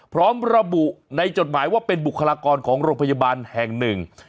พร้อมระบุในจดหมายว่าเป็นบุคลากรของโรงพยาบาลแห่งหนึ่ง